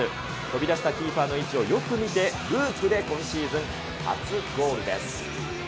飛び出したキーパーの位置をよく見てループで今シーズン初ゴールです。